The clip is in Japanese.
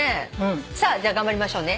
さあじゃあ頑張りましょうね。